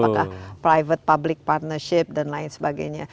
ada pakah private public partnership dan lain sebagainya